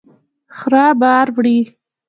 خره بار وړي.